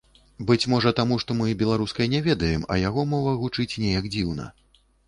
Быць можа таму, што мы беларускай не ведаем, а яго мова гучыць неяк дзіўна.